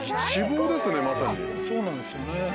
そうなんですよね。